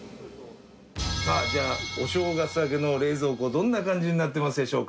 さあじゃあお正月明けの冷蔵庫どんな感じになってますでしょうか？